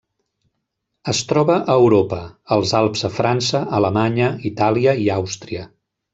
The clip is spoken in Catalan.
Es troba a Europa: els Alps a França, Alemanya, Itàlia i Àustria.